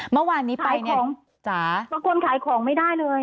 เมื่อวานนี้ไปเนี่ยจ๋าขายของมันควรขายของไม่ได้เลย